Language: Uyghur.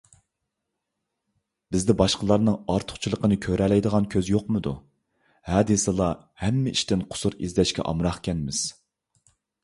بىزدە باشقىلارنىڭ ئارتۇقچىلىقىنى كۆرەلەيدىغان كۆز يوقمىدۇ؟ ھە دېسىلا ھەممە ئىشتىن قۇسۇر ئىزدەشكە ئامراقكەنمىز.